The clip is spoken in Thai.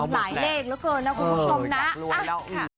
หลายเลขแล้วคือนะคุณผู้ชมนะ